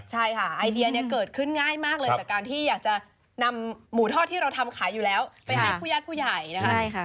ใช่ค่ะไอเดียเนี่ยเกิดขึ้นง่ายมากเลยจากการที่อยากจะนำหมูทอดที่เราทำขายอยู่แล้วไปให้ผู้ญาติผู้ใหญ่นะคะ